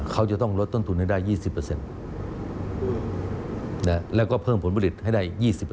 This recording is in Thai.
เขาจะต้องลดต้นทุนให้ได้๒๐แล้วก็เพิ่มผลผลิตให้ได้๒๐